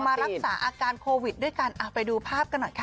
มารักษาอาการโควิดด้วยกันไปดูภาพกันหน่อยค่ะ